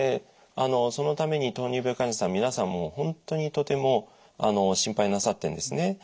あのそのために糖尿病患者さん皆さんもう本当にとても心配なさってるんですね。